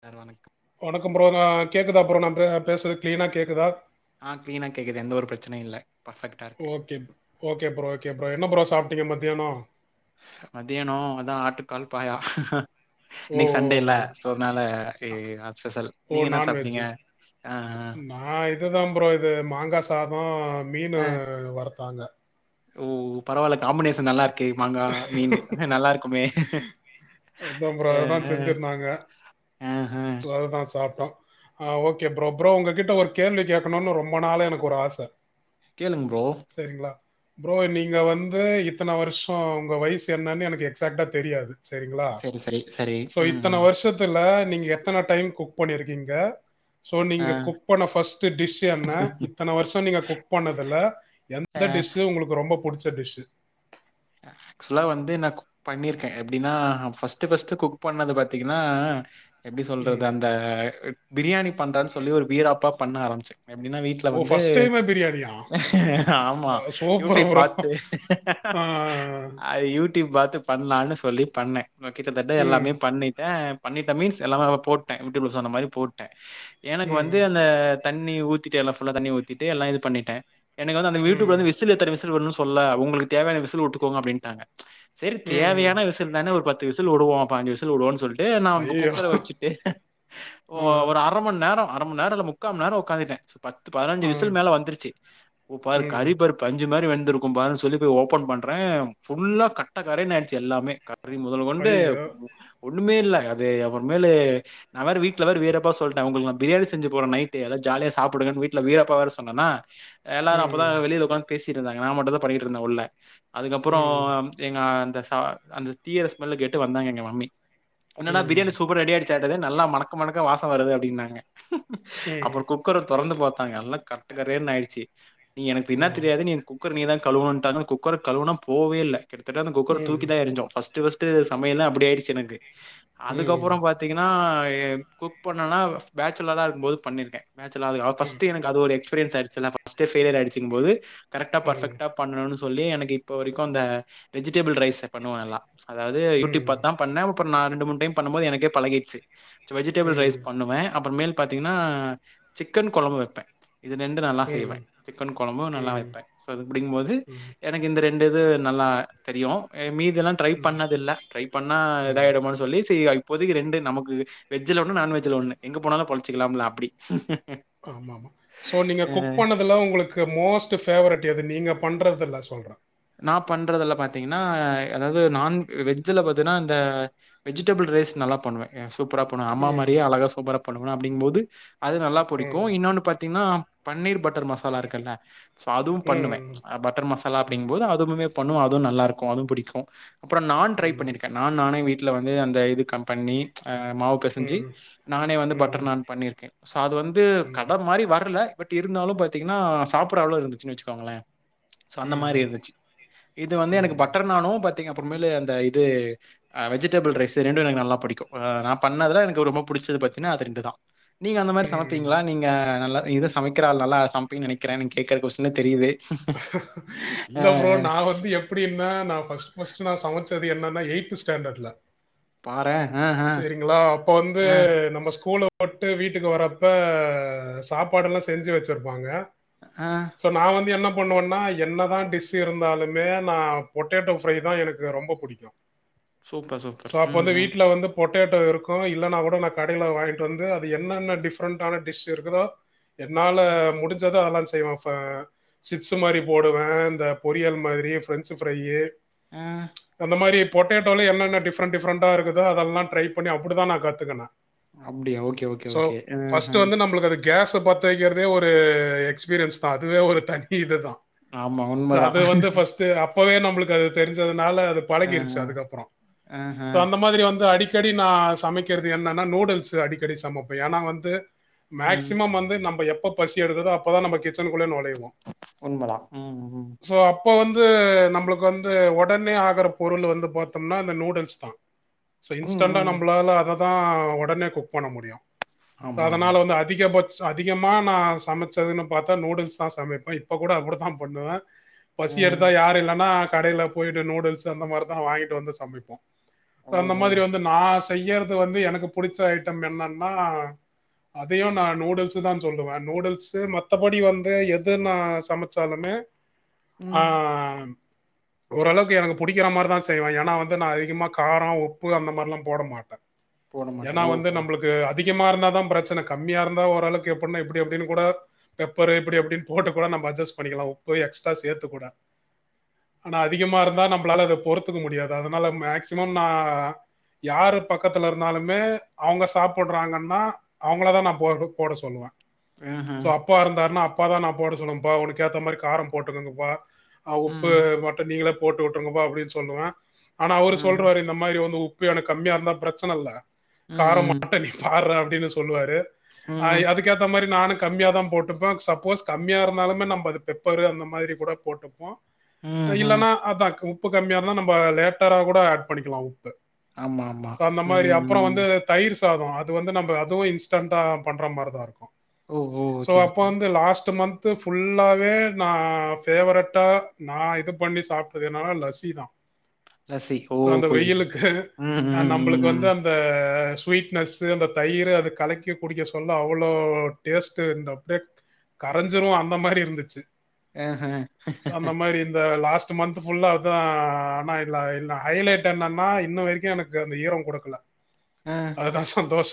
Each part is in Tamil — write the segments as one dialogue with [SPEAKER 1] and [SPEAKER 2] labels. [SPEAKER 1] சார் வணக்கம்
[SPEAKER 2] வணக்கம் ப்ரோ நா கேக்குதா ப்ரோ நா பே பேசறது க்ளீனா கேக்குதா
[SPEAKER 1] ஆ கிளீனா கேக்குது எந்த ஒரு பெரச்சனயு இல்ல பர்ஃபெக்டா இருக்கு
[SPEAKER 2] okay. Okay bro okay bro என்ன ப்ரோ சாப்டீங்க மத்தியானோ
[SPEAKER 1] மத்தியானோ அதா ஆட்டுக்கால் பாயா
[SPEAKER 2] ஓ!
[SPEAKER 1] இன்னைக்கு சன்டே இல்ல சோ அதனால ஏ அ ஸ்பெசல் நீங்க என்ன சாப்டீங்க? ஆ ஆ
[SPEAKER 2] ஆ இதுதான் ப்ரோ இது மாங்கா சாதோ மீனு
[SPEAKER 1] ஆ.
[SPEAKER 2] வறுத்தாங்க
[SPEAKER 1] ஓ பரவால்ல காம்பினேஷன் நல்லா இருக்கு மாங்கா மீனு நல்லா இருக்குமே
[SPEAKER 2] அதா ப்ரோ அதுதா செஞ்சுருந்தாங்க
[SPEAKER 1] ம்ஹு
[SPEAKER 2] அதுதா சாப்ட்டோ ஆ ஓகே ப்ரோ ப்ரோ உங்க கிட்ட ஒரு கேள்வி கேட்கணுனு ரொம்ப நாளா எனக்கு ஒரு ஆச
[SPEAKER 1] கேளுங் ப்ரோ
[SPEAKER 2] சேரிங்ளா ப்ரோ நீங்க வந்து இத்தன வருஷோ உங்க வயசு என்னனு எனக்கு எக்ஸ்சாக்ட்டா தெரியாது செரிங்ளா
[SPEAKER 1] சரி, சரி, சரி.
[SPEAKER 2] சோ
[SPEAKER 1] ம்,
[SPEAKER 2] இத்தன
[SPEAKER 1] ம்.
[SPEAKER 2] வருஷத் துல நீங்க எத்தன டைம் குக் பண்ணிருக்கீங்க? சோ
[SPEAKER 1] ஆ.
[SPEAKER 2] நீங்க குக் பண்ண ஃபர்ஸ்ட்டு டிஷ் என்ன இத்தன வருஷோ நீங்க குக் பண்ணதுல எந்த
[SPEAKER 1] ஆ.
[SPEAKER 2] டிஷ்சு உங்களுக்கு ரொம்ப புடிச்ச டிஷ்ஷு?
[SPEAKER 1] ஆக்சுவலா வந்து எனக்கு பண்ணிருக்கேன் எப்டினா ஃபர்ஸ்ட்டு ஃபர்ஸ்ட்டு குக் பண்ணது பாத்தீங்கனா எப்டி
[SPEAKER 2] ம்.
[SPEAKER 1] சொல்றது அந்த பிரியாணி பண்றனு சொல்லி ஒரு வீராப்பா பண்ண ஆரம்பிச்ச எப்டினா வீ ட்ல
[SPEAKER 2] ஓ!
[SPEAKER 1] வந்து
[SPEAKER 2] ஃபர்ஸ்ட் டைமே பிரியாணியா?
[SPEAKER 1] ஆமா
[SPEAKER 2] அ சூப்பர்
[SPEAKER 1] யூடியூப்
[SPEAKER 2] ப்ரோ.
[SPEAKER 1] பாத்து
[SPEAKER 2] ஆ.
[SPEAKER 1] அது யூடியூப் பாத்து பண்லான்னு சொல்லி பண்ண நா கிட்டத்தட்ட
[SPEAKER 2] ம்.
[SPEAKER 1] எல்லாமே பண்ணிட்ட பண்ணிட்ட மீன்ஸ் எல்லாமே நா போட்ட யூடியூப்ல சொன்ன மாரி போட்ட எனக்கு
[SPEAKER 2] ம்.
[SPEAKER 1] வந்து அந்த தண்ணி ஊத்திட்டு எல்லா ஃபுல்லா தண்ணி ஊத்திட்டு எல்லா இது பண்ணிட்ட எனக்கு வந்து அந்த வீட்டுக்குள்ள
[SPEAKER 2] ம்.
[SPEAKER 1] வந்து விசிலு எத்தன விசிலு விடனு சொல்ல உங்களுக்கு தேவையான விசில் விட்டுக்கோங்க அப்டின்டாங்க செரி
[SPEAKER 2] ம்.
[SPEAKER 1] தேவயான விசில் தான ஒரு பத்து விசிலு விடுவோ பாஞ்சு விசிலு விடுவோ சொல் ட்டு நா அந்த
[SPEAKER 2] ஐயய்யோ!
[SPEAKER 1] குக்கர வெச்சுட்டு
[SPEAKER 2] ஆ.
[SPEAKER 1] ஒரு அர மண்நேரோ அர மண்நேரோ இல்ல முக்காமண் நேரோ உக்காந்துட்ட பத்து பதினஞ்சு
[SPEAKER 2] ஆ.
[SPEAKER 1] விசில் மேல வந்துருச்சு உ பாரு
[SPEAKER 2] ம்.
[SPEAKER 1] கறிபாரு பஞ்சு மாரி வெந்திருக்கும் பாருன்னு சொல்லி போய் ஓப்பன் பண்ற ஃபுல்லா கட்ட கரேனாயிருச்சு எல்லாமே கறி மொதலு கொண்டு
[SPEAKER 2] ஐயய்யோ!
[SPEAKER 1] ஒண்ணுமே இல்ல அது அப்பறமேலு நா வேற வீட்ல வேறு வீராப்பா சொல்ட்ட உங்களுக்கு நா பிரியாணி செஞ்சு போற நைட்டு எல்லா ஜாலியா சாப்டுங்கனு வீட்ல வீராப்பா வேற சொன்னனா எல்லாரு அப்பதா
[SPEAKER 2] ம்.
[SPEAKER 1] வெளில உக்காந்து பேசிட்டு இருந்தாங்க நா மட்டுதா பண்ணிட்டு இருந்த உள்ள அதுக்கப்றோ
[SPEAKER 2] ம்.
[SPEAKER 1] எங்க அந்த சா அந்த தீயிர ஸ்மெல்ல கேட்டு வந்தாங்க எங்க மம்மி என்னடா
[SPEAKER 2] ம்.
[SPEAKER 1] பிரியாணி சூப்பரா ரெடியா ச்சாடது நல்லா மணக்க மணக்க வாசோ வருது அப்டினாங்க அப்றோ
[SPEAKER 2] ம்.
[SPEAKER 1] கு க்கர தொறந்து பாத்தாங்க எல்லா கட்டு கரேனு ஆயிடுச்சு நீ எனக்கு இப்ப
[SPEAKER 2] ஓ!
[SPEAKER 1] என்னா தெரியாது நீ குக்கரு நீ தா கழுவனுட்டாங்க குக்கர கழுவுனா போவே இல்ல கிட்டத்தட்ட அந்த குக்கர
[SPEAKER 2] ம்.
[SPEAKER 1] தூக்கிதா எறிஞ்சோ ஃபர்ஸ்ட்டு ஃபர்ஸ் ட்டு சமயலே அப்டி ஆயிடுச்சு எனக்கு
[SPEAKER 2] ம்.
[SPEAKER 1] அதுக்கப்றோ பா த்தீங்கனா ஏ குக் பண்ணனா பேச்சலரா இருக்கும்போது பண்ணிருக்கேன் பேச்சிலரா ஆ ஃபர்ஸ்ட்டு என அது ஒரு எக்ஸ்பீரியன்ஸ் ஆயிடுச்சுல ஃபஸ்ட்டு ஃப்பேய்லியர் ஆயிடுச்சுங்கு போது கரெக்டா
[SPEAKER 2] ம்.
[SPEAKER 1] பர்ஃபெக்டா பண்ணணு சொல்லி எனக்கு இப் இப்ப வரைக்கு அந்த வெஜிடபிள் ரைஸ்ச பண்ணுவே எல்லா அதாவது யூடியூப்
[SPEAKER 2] ம்.
[SPEAKER 1] பாத்தா பண்ண அப்றோ நா ரெண்டு மூணு டைம் பண்ணும் போது எனக்கு பழகிடுச்சு வெஜிடபிள் ரைஸ்
[SPEAKER 2] ம்.
[SPEAKER 1] பண்ணுவே அப்றோ மேல் பாத்தீங்கன்னா சிக்கன் கொழம்பு வைப்பே இது ரெண்டு நல்லா செய்வே
[SPEAKER 2] ம்.
[SPEAKER 1] சிக்கன் கொழம்பு நல்லா
[SPEAKER 2] ம்.
[SPEAKER 1] வைப்பே சோ அது [unintelligible] போது
[SPEAKER 2] ம்.
[SPEAKER 1] எனக்கு இந்த ரெண்டு இது நல்லா தெரியு மீதியெல்லா ட்ரை
[SPEAKER 2] ம்.
[SPEAKER 1] பண்ணதது இல்ல ட்ரை பண்ணா இதாயிடுமோனு சொல்லி [unintelligible] இப்போதைக்கு ரெண்டு நமக்கு வெஜ்ஜில ஒன்னு நான்வெஜ்ஜில ஒன்னு எங்க போனாலு பொழச்சுக்கலாம்ல அப்டி
[SPEAKER 2] ஆமா ஆமா சோ நீங்க குக் பண்ண துல உங்களுக்கு மோஸ்ட் பேவெரெட் எது நீங்க பண்றதுல்ல சொல்ற
[SPEAKER 1] நா பண்றதுல்ல பாத்தீங்கன்னா அதாவது நான் வெஜ்ஜில பாத்தீன்னா இந்த வெஜிடபிள் ரைஸ் நல்லா பண்ணுவே சூப்பரா போ அம்மா
[SPEAKER 2] ம்.
[SPEAKER 1] மாரியே அழகா சூப்பரா பண்ணுவேணு அப்படிங்கும்போது அது நல்லா பிடிக்கு
[SPEAKER 2] ம்.
[SPEAKER 1] இன்னொன்னு பாத்தீங்கன்னா பன்னீர் பட்டர் மசாலா இருக்குல்ல சோ அதுவு பண்ணுவே
[SPEAKER 2] ம்.
[SPEAKER 1] பட்டர் மசாலா அப்டிங்கும்போது அதுவுமே பண்ணுவே அதுவு நல்லா இருக்கு அதுவு புடிக்கு அப்றோ நான் ட்ரை
[SPEAKER 2] ம்.
[SPEAKER 1] பண்ணி இருக்கே நான் நானே வீட்ல வந்து அந்த இது கம் பண்ணி மாவு பெசஞ்சு
[SPEAKER 2] ம்.
[SPEAKER 1] நானே வந்து பட்டர்
[SPEAKER 2] ம்.
[SPEAKER 1] நான் பண்ணிருக்கே சோ அது வந்து
[SPEAKER 2] ம்.
[SPEAKER 1] கட மாரி வரல பட் இருந்தாலு பாத்தீங்கன்னா சாப்பிட அளவு இருந்துச்சுன்னு வெச்சக்கோங்களே சோ அந்த மாரி
[SPEAKER 2] ம்.
[SPEAKER 1] இருன்ச்சு இது வந்து
[SPEAKER 2] ம்.
[SPEAKER 1] எனக்கு பட்டர் நானு பாத்தீங்க அப்புறமேலு அந்த இது ஆ வெஜிடபிள் ரைஸ் ரெண்டு எனக்கு நல்லா பிடிக்கு நா பண்ணதுல எனக்கு ரொம்ப புடிச்சது பாத்தீங்கன்னா அது ரெண்டு தா நீங்க அந்த மாரி
[SPEAKER 2] ம்.
[SPEAKER 1] சமைப்பீங்களா நீங்க நல்லா இது சமைக்கிற ஆள் நல்லா சமைப்பிங்கன்னு நெனைக்கிற நீங்க கேக்குற கொஸ்டீன்லயே தெரியுது அ
[SPEAKER 2] இல்ல ப்ரோ நா வந்து எப்டின்னா நா ஃபஸ்ட் ஃபஸ்ட் நா சமச்ச ச்சது என்னன்னா எயிட்த்து ஸ்டேண்டேட்ல
[SPEAKER 1] பாரேன். அ, அ,
[SPEAKER 2] சேரிங்களா அப்ப வந்து
[SPEAKER 1] அ,
[SPEAKER 2] நம்ம ஸ்கூல போட்டு வீட்டுக்கு வரப்ப சாப்பாடு எல்லா செஞ்சு வெச்சிருப்பாங்க
[SPEAKER 1] ஆ
[SPEAKER 2] சோ நா வந்து என்ன பண்ணுவன்னா என்னதா டிஷ் இருந்தாலுமே நா பொட்டேட்டோ ஃப்ரை தா எனக்கு ரொம்ப புடிக்கு [inaudible] [unintelligible]
[SPEAKER 1] சூப்பர் சூப்பர் ம் ம்
[SPEAKER 2] பொட்டேட்டோ இருக்கு இல்லன்னா கூட நா கடையில வாங்கிட்டு வந்து அது என்னென்ன டிஃப்ரெண்ட்டான டிஷ் இருக்குதோ என்னால‌
[SPEAKER 1] ம்.
[SPEAKER 2] முடிஞ்சது அதெல்லா செய்வே சிப்ஸ் மாரி போடுவே இந்த பொரியல் மாதிரி ஃபிரெஞ்சு ஃபிரையி
[SPEAKER 1] ம்
[SPEAKER 2] அந்த மாரி பொட்டேட்டோலல்ல என்ன என்ன டிஃப்ரெண்ட் டிஃப்ரெண்டா இருக்குதோ அதெல்லா ட்ரை பண்ணி அப்பிடிதா நா கத்துக்குனே
[SPEAKER 1] அப்டியா? Okay, okay,
[SPEAKER 2] so
[SPEAKER 1] okay.
[SPEAKER 2] First
[SPEAKER 1] ம்ஹ்ம்.
[SPEAKER 2] வந்து நம்மளுக்கு அது கேஸா பத்த வைக்கிறதே ஒரு எக்ஸ்பீரியன்ஸ் தா அதுவே ஒரு தனி இதுதா
[SPEAKER 1] ஆமா
[SPEAKER 2] சோ
[SPEAKER 1] உண்மதான்.
[SPEAKER 2] அது வந்து ஃபஸ்ட்டு அப்பவே நம்மளுக்கு அது தெரிஞ்சதுனால அது
[SPEAKER 1] அ,
[SPEAKER 2] பழகிருச்சு அதுக்கப்றோ
[SPEAKER 1] அ, அஹ.
[SPEAKER 2] சோ அந்த மாரி வந்து அடிக்க அடிக்கடி நா சமைக்கிறது என்னன்னா நூடுல்ஸ் அடிக்கடி சமைப்பே ஏன்னா வந்து
[SPEAKER 1] ம்.
[SPEAKER 2] மேக்சிமம் வந்து நம்ம எப்ப பசி எடுக்கதோ அப்பதா நம்ம கிச்சனுக்குள்ளயே நொழைவோ
[SPEAKER 1] உண்மைதா ம் ம்
[SPEAKER 2] சோ அப்போ வந்து நம்மளுக்கு வந்து ஒடனே ஆகிற பொருள் வந்து பாத்தோம்னா இந்த நூடுல்ஸ் தா சோ
[SPEAKER 1] ம்,
[SPEAKER 2] இன்ஸ்டன்டா
[SPEAKER 1] ம்.
[SPEAKER 2] நம்மளால அததா ஒடனே குக் பண்ண முடியு
[SPEAKER 1] ஆமா, ஆமா.
[SPEAKER 2] அதனால வந்து அ அதிகபட்ச அதிகமா நா சமைச்சதுன்னு பாத்தா நூடுல்ஸ் தா சமைப் இப்ப கூட அப்படித்தா பண்ணுவே பசி எடுத்தா
[SPEAKER 1] அ.
[SPEAKER 2] யார் இல்லன்னா கடையில போயிட்டு நூடுல்ஸ் அந்த மாரி தா வாங்கிட்டு வந்து சமைப்போ அந்த
[SPEAKER 1] ஓஹோ!
[SPEAKER 2] மாதிரி வந்து நா செய்யறது வந்து எனக்கு புடிச்ச ஐட்ட என்னன்னா அதையு நா நூடுல்ஸ் தா சொல்லுவே நூடுல்ஸ்சு மத்தபடி வந்து எ எது நா சமைச்சாலுமே ஆ
[SPEAKER 1] ம்.
[SPEAKER 2] ஓரளவுக்கு எனக்கு புடிக்கிற மாரிதா செய்வே ஏன்னா வந்து நா அதிகமா கார உப்பு அந்த மாரில்லா போட மாட்டே
[SPEAKER 1] போட மாட்டே
[SPEAKER 2] ஏன்னா வந்து
[SPEAKER 1] ஓஹோ
[SPEAKER 2] நம்மளுக் கு அதிகமா இருந்தா தா பிரச்சனை கம்மியா இருந்தா ஓரளவுக்கு எப்புனா எப்டி அப்டின்னு கூட பெப்பர் எப்டி அப்டின்னு போட்டு கூட நாம அட்ஜஸ் பண்ணிக்கலா உப்பு எக்ஸ்ட்ரா சேத்து கூட ஆனா அதிகமா இருந்தா நம்மளால அத பொறுத்துக்க முடியாது அதனால மேக்சிமம் நா யாரு பக்கத்துல இருந்தாலுமே அவங்க சாப்புறாங்கன்னா அவங்களதா நா போ போட சொல்லுவே
[SPEAKER 1] ஆ ஹ
[SPEAKER 2] அப்பா இருந்தார்ன்னா அப்பாதா நா போட சொன்னும்ப்பா உனக்கு ஏத்த மாரி கார போட்டுகோங்கப்பா ஆ உப்பு
[SPEAKER 1] ம்
[SPEAKER 2] மட்டு நீங்களே போட்டு விட்டுருங்கப்பா அப்டின்னு சொல்லுவே ஆனா அவரு
[SPEAKER 1] ம்
[SPEAKER 2] சொல்றாரு இந்த மாரி வந்து உப்பு எனக்கு கம்மியா இருந்தா பிரச்சனை இல்ல கார
[SPEAKER 1] ம்
[SPEAKER 2] மட்டு நீ பார்றா அப்டின்னு சொல்லுவாரு அய்
[SPEAKER 1] ம்
[SPEAKER 2] அதுக்கேத்த மாரி நானு கம்மியா தா போட்டுப்பே சப்போஸ் கம்மியா இருந்தாலுமே நம்ம அது பெப்பரு அந்த மாதிரி கூட போட்டுப்போ
[SPEAKER 1] ம் ம்
[SPEAKER 2] இல்லன்னா அதாக்கு உப்பு கம்மியா இருந்தா நம்ம லேட்டரா கூட ஆட் பண்ணிக்கலா உப்பு
[SPEAKER 1] ஆமா ஆமா
[SPEAKER 2] அந்த
[SPEAKER 1] ம்
[SPEAKER 2] மாரி அப்பற
[SPEAKER 1] ம்
[SPEAKER 2] வந்து தயிர் சாத அது வந்து நம்ம அதுவு இன்ஸ்டண்டா பண்ற மாரிதா இருக்கு
[SPEAKER 1] ஓ ஓ
[SPEAKER 2] சோ
[SPEAKER 1] ஓகே
[SPEAKER 2] அப்ப
[SPEAKER 1] ஓகே
[SPEAKER 2] வந்து லாஸ்ட்டு மந்த்து ஃபுல்லாவே நா பேஃவரட்டா நா இது பண்ணி சாப்ட்டதுன்னா லசிதா
[SPEAKER 1] லசி ஓ
[SPEAKER 2] சோ அந்த
[SPEAKER 1] புரியுது
[SPEAKER 2] வெயிலுக்கு
[SPEAKER 1] ம்
[SPEAKER 2] அ
[SPEAKER 1] ம்
[SPEAKER 2] நம்மளுக்கு
[SPEAKER 1] ம்
[SPEAKER 2] வந்து
[SPEAKER 1] ம்.
[SPEAKER 2] அந் அந்த ஸ்வீட்னஸ்ஸு அந்த தயிரு அது கலக்கி குடிக்க சொல்ல அவ்வளோ டேஸ்ட்டு இருந்த அப்டியே கரைஞ்சுரு அந்த மாரி இருந்துச்சு
[SPEAKER 1] ஆஹ
[SPEAKER 2] அந்த மாரி இந்த லாஸ்ட் ந்த்து மந்த்து ஃபுல்லா அதா ஆனா இல்ல இல்ல ஹைலைட் என்னன்னா இன்ன வரிக்கு எனக்கு அந்த ஈர குடுக்கல
[SPEAKER 1] ஆ
[SPEAKER 2] அதுதா சந்தோஷ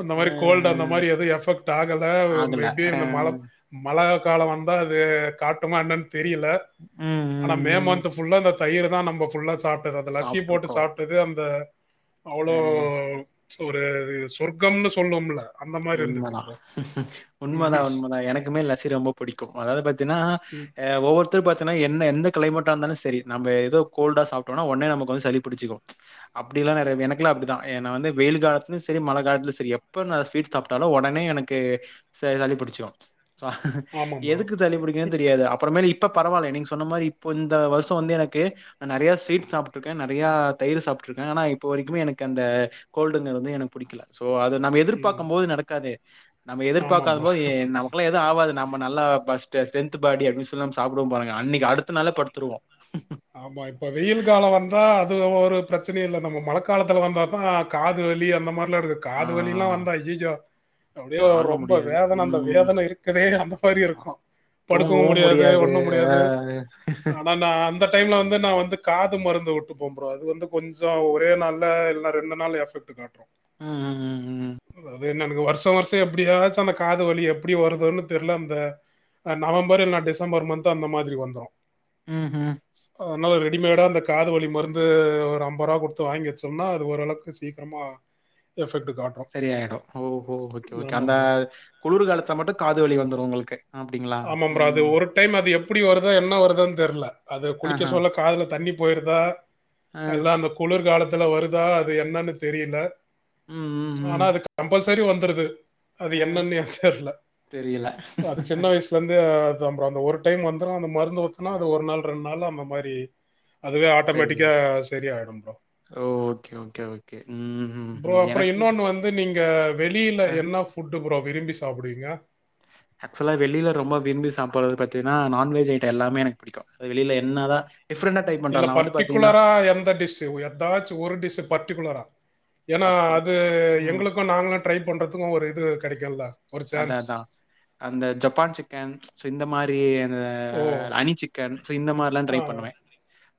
[SPEAKER 2] அந்த
[SPEAKER 1] ஆ ஆ
[SPEAKER 2] மாரி கோல்டு அந்த மாரி எது எஃபெக்ட் ஆகல
[SPEAKER 1] ஆகல ஆ
[SPEAKER 2] இந்த மழ மழை கால வந்தா இது காட்டுமா என்னன் தெரியல
[SPEAKER 1] ம் ம்
[SPEAKER 2] த மே
[SPEAKER 1] ம்
[SPEAKER 2] மந்த் புல்லா அந்த தயிரதா நம்ம புல்லா சாப்ட்டது அந்த லஸ்சி போட்டு
[SPEAKER 1] சாப்ட்ருக்கோ
[SPEAKER 2] சாப்ட்டது அந்த அவ்ளோ
[SPEAKER 1] ஆ
[SPEAKER 2] ஒரு சொர்க்கம்னு சொல்வோம்ல
[SPEAKER 1] உண்மதா உண்மதா உண்மதா எனக்குமே லசி ரொம்ப புடிக்கும் அதாவது பாத்தீன்னா அ ஒவ்வொ த்து பாத்தீங்னா எந்த க்ளைமேட்டா இருந்தாலு சரி நம்ம ஏதோ கோல்டா சாப்ட்டோம்னா ஒடனே நமக்கு வந்து சளி புடிச்சிக்கு அப்டில்லா நெறைய எனக்குலா அப்டிதா என்ன வந்து வெயிலு காலத்திலு சரி மழ காலத்திலு சரி எப்ப நா ஸ்வீட் சாப்ட்டாலு ஒடனே எனக்கு ச சளிபுடிச்சிடு
[SPEAKER 2] ஆமாம் ப்ரோ
[SPEAKER 1] எதுக்கு சளிபுடி ஏ தெரியாது அப்புறமேலு இப்ப பரவால்ல நீங்க சொன்ன மாரி இப்ப இந்த வருஷ வந்து எனக்கு நெறைய ஸ்வீட் சாப்ட்ருக்கே நெறைய தயிர்ரு சாப்ட்ருக்கே ஆனா இப்ப வரைக்குமே எனக்கு அந்த கோல்டுங்க வந்து எனக்கு பிடிக்கல சோ அது நம்ம
[SPEAKER 2] ம்
[SPEAKER 1] எதிர்பார்க்கும் போது நடக்காது நம்ம
[SPEAKER 2] ஆமாம்
[SPEAKER 1] எதிர்பார்க்காத
[SPEAKER 2] ப்ரோ
[SPEAKER 1] போது எ நமக்குல்லா அது ஆவாது நம்ம நல்லா பாஸ்டு ஸ்ரென்த் பாடி அப்டினு சொல்லி நாம சாப்டுவோ பாருங்க அன்னைக்கு அடுத்த நாளே படுத்துறுவோ
[SPEAKER 2] ஆமா இப்ப வெயில் காலம் வந் ஆ அது ஒரு பிரச்சனை இல்ல நம்ம மழக்காலத்துல வந்தாதா காது வலி அந்த மாரிலா இருக்கு
[SPEAKER 1] ஆ
[SPEAKER 2] காது வலிலலா வந்தா ஐய்யயோ அப்டியே
[SPEAKER 1] தாங்க
[SPEAKER 2] ரொம்ப
[SPEAKER 1] முடியாது.
[SPEAKER 2] வேதன அந்த
[SPEAKER 1] ம்.
[SPEAKER 2] வேதன இருக்குதே அந்தமாரி இருக்கு படுக்கவு
[SPEAKER 1] தூங்கவும்
[SPEAKER 2] முடியாது ஒன்னு
[SPEAKER 1] ஆ.
[SPEAKER 2] முடியாது ஆனா நா அந்த டைம்ல வந்து நா வந்து காது மருந்து உட்டுகுவ ப்ரோ அது வந்து கொஞ்சோ ஒரே நாள்ல இல்லனா ரெண்டு நாள் எஃபெக்ட் காட்றோ
[SPEAKER 1] ம் ம் ம் ம்.
[SPEAKER 2] அது என்ன எனக்கு வருஷோ வருஷோ எப்டியாச்சு அந்த காது வலி எப்டி வருதுன் தெர்ல அந்த அ நவம்பர் இல்லனா டிசம்பர் மந்த்து அந்த மாதிரி வந்துரு
[SPEAKER 1] ம் ஹும்
[SPEAKER 2] அதனால ரெடிமேடா அந்த காதுவலி மருந்து ஒரு அம்ப ரூவா குடுத்து வாங்கி வெச்சோம்னா அது ஓரளவுக்கு சீக்கரமா எஃபெக்ட் காட்
[SPEAKER 1] செரியாய்டு ஓஹோ ஓகே ஓகே அந்த
[SPEAKER 2] ப்ரோ.
[SPEAKER 1] குளுர் காலத்துல மட்டு காது வலி வந்துரு உங்குளுக்கு
[SPEAKER 2] ஆமாப்ரா அது ஒரு டைம் அது எப்புடி வருதோ என்ன வருதோன் தெர்ல அது
[SPEAKER 1] ஆஹ.
[SPEAKER 2] குளிக்க சொல்ல காதுல தண்ணி போய்ருதா
[SPEAKER 1] ஆ.
[SPEAKER 2] எல்லா அந்த குளுர் காலத்துல வருதா அது என்னன்னு தெரியல
[SPEAKER 1] ம் ம்
[SPEAKER 2] ஆனா
[SPEAKER 1] ம்.
[SPEAKER 2] அது கம்பல்செரி வந்துருது அது
[SPEAKER 1] ஆ.
[SPEAKER 2] என்னன் எனக் தெர்ல
[SPEAKER 1] தெரியல.
[SPEAKER 2] அது சின்ன வய்சு அத் வந்து அத்தா ப்ரோ அந்த ஒரு டைம் வந்துரு அந்த மருந்து ஊத்துனா அது ஒரு நாள் ரெண்டு நாள்ல அந்தமாரி அதுவே ஆட்டோமேட்டிக்கா செரி ஆய்டு bro
[SPEAKER 1] oh okay okay okay ம்
[SPEAKER 2] ப்ரோ
[SPEAKER 1] ம்
[SPEAKER 2] அப்புறம்
[SPEAKER 1] எனக்கு
[SPEAKER 2] இன்னொன்னு வந்து நீங்க வெளில
[SPEAKER 1] ஆ.
[SPEAKER 2] என்ன ஃபுட்டு ப்ரோ விரும்பி சாப்டுவீங்க
[SPEAKER 1] ஆக்சுலா வெளில ரொம்ப விரும்பி சாப்பட்றது பாத்தீங்கா நான்வெஜ் ஐட்டோ எல்லாமே எனக் பிடிக்கு வெளில என்னதா டிஃப்ரண்ட்டா ட்ரைப்
[SPEAKER 2] இல்ல பர்டிகுலரா எந்த டிஷ்ஷு எதாச்சு ஒரு டிஷ்ஷு பர்டிகுலரா எனா
[SPEAKER 1] அப்பறம்
[SPEAKER 2] அது
[SPEAKER 1] ம்.
[SPEAKER 2] எங்குளுக்கு நாங்களு ட்ரை பண்றதுக்கு ஒரு இது கெடைக்கூல
[SPEAKER 1] அத்தா அத்தா அந்த ஜப்பான் சிக்கன் சோ இந்த மாரி அந்த
[SPEAKER 2] ஓ
[SPEAKER 1] அனி சிக்கன் சோ இந்த மாரிலா ட்ரை
[SPEAKER 2] ஆ
[SPEAKER 1] பண்ணுவே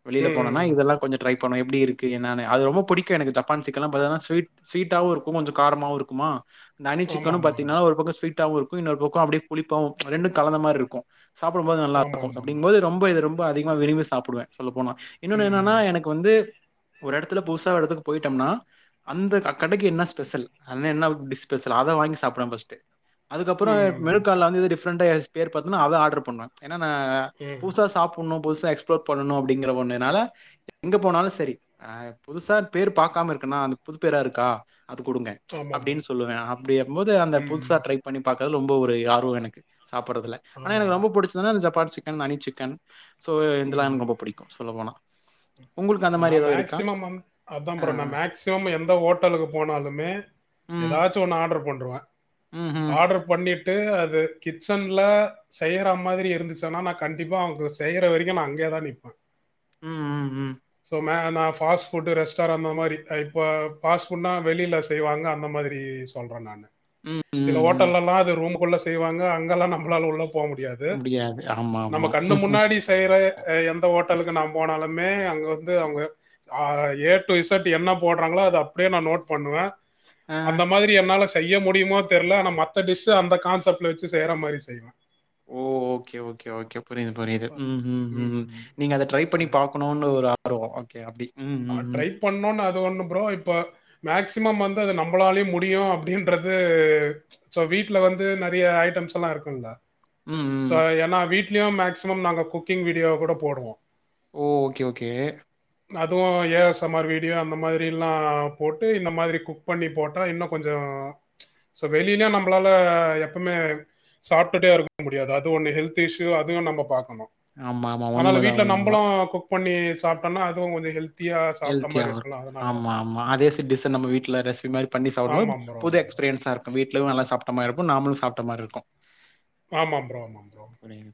[SPEAKER 1] வெளில போணோனா
[SPEAKER 2] ம்
[SPEAKER 1] இதெல்லா கொஞ்சோ ட்ரை பண்ணுவ எப்பிடி இருக்கு என்னனு அது ரொம்ப புடிக்கு எனக்கு ஜப்பான் சிக்கன்லா பாத்தனா ஸ்வீட் ஸ்வீட்டாவு இருக்கு கொஞ்சோ காரமாவு இருக்குமா இந்த அனி
[SPEAKER 2] ஆமா
[SPEAKER 1] சிக்கனு
[SPEAKER 2] ஆமா
[SPEAKER 1] பாத்தீங்கனா ஒரு பக்கொ ஸ்வீட்டாவு இருக்கு இன்னொரு பக்கோ அப்டியே புளிப்பாவு ரெண்டு கலந்தமார் இருக்கு சாப்புடும்போது
[SPEAKER 2] ஆமா
[SPEAKER 1] நல்லாருக்கு
[SPEAKER 2] ஆமா ஆமா ஆமா
[SPEAKER 1] அப்பிடிங்போது ரொம்ப இது ரொம்ப அதிகமா விரும்பி சாப்புடுவ சொல்ல போனா இன்னொன்னு என்னன்னா
[SPEAKER 2] ம்
[SPEAKER 1] எனக் இப்ப வந்து ஒரு எடத்துல புதுசா ஒரு எடத்துக்கு போய்ட்டொம்னா அந்த க கடைக்கி என்ன ஸ்பெஷல் அங்க என்ன டிஸ் ஸ்பெஷல் அத வாங்கி சாப்புடுவே ஃபஸ்ட்டு அதுக்கப்பறோ
[SPEAKER 2] ம்
[SPEAKER 1] மெனுகாட்ல வந்து எது டிஃப்ரெண்ட்டா எதாச்சி பேர் பாத்தனா அத ஆடர் பண்ணுவே என்னா நா
[SPEAKER 2] ம்
[SPEAKER 1] புதுசா சாப் ஒன்னு புதுசா எக்ஸ்ப்ளோர் பண்ணணு அப்பிடிங்கற ஒன்னுனால எங்க போனாலு செரி ஆ ஆ புதுசா பேர் பாக்காம இருக்கன்னா அந்த புது பேரா இருக்கா அது குடுங்க
[SPEAKER 2] ஆமா ப்ரோ
[SPEAKER 1] அப்டின் சொல்லுவே அப்டியம் போது அந்த
[SPEAKER 2] ம்
[SPEAKER 1] புதுசா ட்ரை பண்ணி பாக்றது ரொம்ப ஒரு ஆர்வோ எனக்கு சாப்பட்றதுல ஆனா
[SPEAKER 2] ஆமா
[SPEAKER 1] எனக்கு
[SPEAKER 2] ப்ரோ
[SPEAKER 1] ரொம்ப புடிச்சதுனா இந்த ஜப்பான் சிக்கன் அனி சிக்கன் சோ இதெல்லா
[SPEAKER 2] ம்
[SPEAKER 1] எனக்கு ரொம்ப புடிக்கு சொல்ல போனா
[SPEAKER 2] நா மேக்சிமம் வந் அதா
[SPEAKER 1] அ,
[SPEAKER 2] ப்ரோ நா மேக்
[SPEAKER 1] அ.
[SPEAKER 2] மேக்சிமம் எந்த ஹோட்டலுக்கு போனாலுமே
[SPEAKER 1] ம்.
[SPEAKER 2] எதாச்சு ஒன்னு ஆர்டர் பண்ருவ
[SPEAKER 1] ம்ஹ்ம்.
[SPEAKER 2] ஆர்டர் பண்ணிட்டு அது கிச்சன்ல செய்யற மாதிரி இருந்துச்சுன்னா நா கண்டிப்பா அவ்ங்க செய்யற வரிக்கு நா அங்யேதா நிப்ப
[SPEAKER 1] ம் ம் ம்
[SPEAKER 2] ஸோ மே நா ஃபாஸ்ட் ஃபுட்டு ரெஸ்டார் அந்தமாரி இப்ப ஃபாஸ்ட் ஃபுட்னா வெளில செய்வாங்க அந்தமாதிரி சொ சொல்றே நானு
[SPEAKER 1] ம்,
[SPEAKER 2] சில
[SPEAKER 1] ம், ம்.
[SPEAKER 2] ஹோட்டல்லலா அது ரூமுக்குள்ள செய்வாங்க அங்கல்லா நம்ளால உள்ள போ முடியா து
[SPEAKER 1] முடியாது.
[SPEAKER 2] நம்ப
[SPEAKER 1] ஆமாமா.
[SPEAKER 2] கண்ணு முன்னாடி செய்ற எந்த ஓட்டலுக்கு நா போனாலுமே வந்து அவுங்க ஆ ஏ டூ இசட் என்ன போட்றாங்களோ அத அப்டியே நா நோட் பண்ணுவே
[SPEAKER 1] அ.
[SPEAKER 2] அந்த மா ரி என்னால செய்ய முடிமோ தெர்ல ஆனா மத்த டிஷ்ஷு அந்த கான்செப்ட்ல வெச்சு செய்ற மாரி செய்வே
[SPEAKER 1] ஓ ஓகே ஓகே ஓகே புரிது புரிது ம் ஹும் ம் நீங்க அத ட்ரை பண்ணி
[SPEAKER 2] சரி.
[SPEAKER 1] பாக்கணுன் ஒரு ஆர்வோ ஓகே அப்டி
[SPEAKER 2] ஆ ட்ரை பண்ணுன் அது ஒண்ணு ப்ரோ இப்ப மேக்சிமம் வந்து அது நம்ளாலயே முடியு அப்டின்றது ஸோ வீட்ல வந்து நறிய ஐட்டம்ஸ்ல்லா இருக்குல
[SPEAKER 1] ம் ம்
[SPEAKER 2] ஸோ ஏனா வீட்லயு மேக்ஸிமம் நாங்க குக்கிங் வீடியோ கூட போடுவோ
[SPEAKER 1] ஓ ஓகே ஓகே
[SPEAKER 2] அதுவு A S M R video அந்த மாரிலா போட்டு இந்த மாத்ரி குக் பண்ணி போட்டா இன்னு கொஞ்சோ ஸோ வெளிலயு நம்ளால எப்பமே சாப்ட்டுட்டே இருக்க முடியாது அது ஒண்ணு ஹெல்த் இஸ்யு அதுவு நம்ப பாக்கணு
[SPEAKER 1] ஆமா, ஆமா.
[SPEAKER 2] ஆனால
[SPEAKER 1] உண்மதான்,
[SPEAKER 2] வீட்ல நம்பளு
[SPEAKER 1] உண்மதான்.
[SPEAKER 2] குக் பண்ணி சாப்ட்டோனா அதுவு கொஞ்சோ ஹெல்த் ஆ சாப்ட்ட மாரி
[SPEAKER 1] ஹெல்த்தியாவும்
[SPEAKER 2] இருக்கலா
[SPEAKER 1] இருக்கும். ஆமா ஆமா அதே ச டிஷ்ஷ நம்ம வீட்ல ரெசிபி மாரி பண்ணி சாப்டும்போது
[SPEAKER 2] ஆமாம் ப்ரோ,
[SPEAKER 1] புது
[SPEAKER 2] ஆமாம் ப்ரோ.
[SPEAKER 1] எக்ஸ்பீரியன்ஸாரு க்கு வீட்லயு நல்லா சாப்ட்ட மார்ருப்போ நாம்ளு சாப்ட்ட மாரிருக்கு
[SPEAKER 2] ஆமாம் ப்ரோ ஆமா ப்ரோ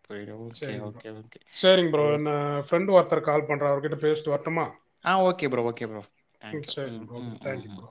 [SPEAKER 1] புரியுது. Okay,
[SPEAKER 2] sharing bro
[SPEAKER 1] okay, okay.
[SPEAKER 2] Sharing bro
[SPEAKER 1] சரி.
[SPEAKER 2] என்ன ஃப்ரெண்ட்டு ஒர்த்தர் கால் பண்றா அவர்கிட்ட பேசி ட்டு வர்ட்டுமா
[SPEAKER 1] ஆ okay bro okay bro thank you ம்
[SPEAKER 2] ப்ரோ. ஓகே
[SPEAKER 1] ம்
[SPEAKER 2] ப்ரோ.
[SPEAKER 1] ம்
[SPEAKER 2] தேங்க் யூ
[SPEAKER 1] ம்
[SPEAKER 2] ப்ரோ.